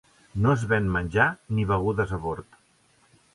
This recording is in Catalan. No es ven menjar ni begudes a bord.